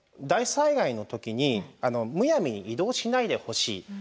大災害の時にむやみに移動しないでほしい。